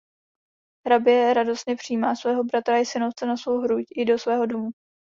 Hrabě radostně přijímá svého bratra i synovce na svou hruď i do svého domu.